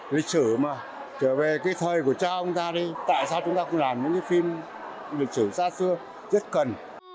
lịch sử mà trở về cái thời của cha ông ta đi tại sao chúng ta không làm những cái phim lịch sử xa xưa rất cần